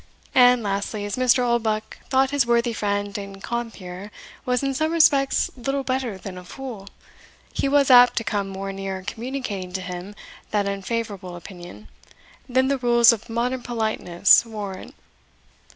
And, lastly, as Mr. Oldbuck thought his worthy friend and compeer was in some respects little better than a fool, he was apt to come more near communicating to him that unfavourable opinion, than the rules of modern politeness warrant.